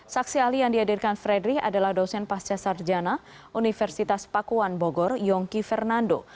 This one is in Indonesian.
saksi ahli yang dihadirkan fredrich adalah dosen pascasarjana universitas pakuan bogor yongki fernando